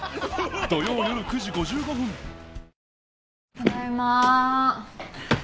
ただいま。